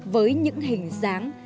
với những hình dáng